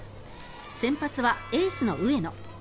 先発はエースの上野。